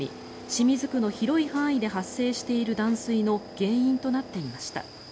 清水区の広い範囲で発生している断水の原因となっていました。